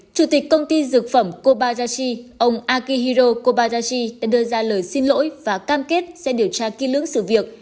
chủ tịch công ty dược phẩm kobayashi ông akihiro kobazachi đã đưa ra lời xin lỗi và cam kết sẽ điều tra kỹ lưỡng sự việc